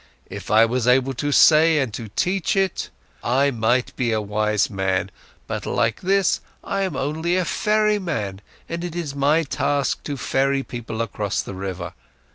If I was able to say and teach it, I might be a wise man, but like this I am only a ferryman, and it is my task to ferry people across the river.